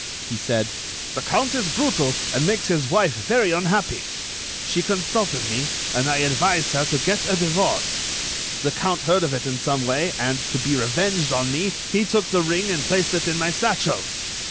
He said: "The count is brutal and makes his wife very unhappy. She consulted me, and I advised her to get a divorce. The count heard of it in some way, and, to be revenged on me, he took the ring and placed it in my satchel."